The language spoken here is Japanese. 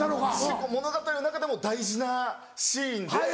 結構物語の中でも大事なシーンで。